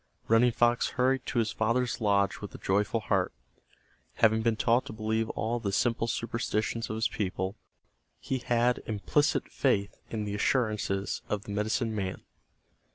Running Fox hurried to his father's lodge with a joyful heart. Having been taught to believe all the simple superstitions of his people, he had implicit faith in the assurances of the medicine man.